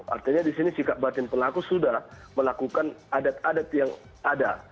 artinya di sini sikap batin pelaku sudah melakukan adat adat yang ada